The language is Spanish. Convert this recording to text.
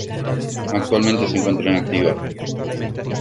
Actualmente se encuentra inactiva.